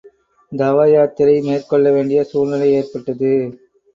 தவயாத்திரை மேற்கொள்ளவேண்டிய சூழ்நிலை ஏற்பட்டது.